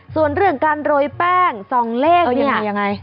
ส่วนเรื่องการโรยแป้งส่องเลขเนี่ยยังไง